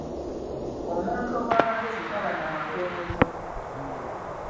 Omuntu ow'amagezi taba na makwenezo.